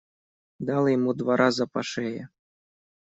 Дал ему два раза по шее.